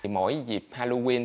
mỗi dịp halloween